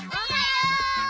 おはよう。